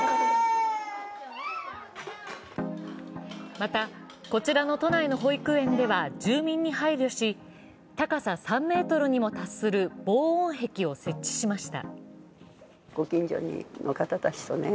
また、こちらの都内の保育園では住民に配慮し、高さ３ｍにも達する防音壁を設置しました。